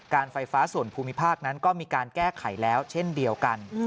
การไฟฟ้าส่วนภูมิภาคนั้นก็มีการแก้ไขแล้วเช่นเดียวกัน